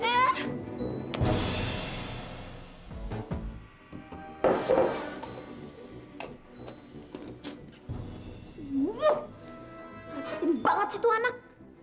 tidur banget sih itu anak